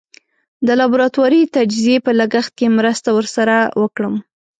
د لابراتواري تجزیې په لګښت کې مرسته ور سره وکړم.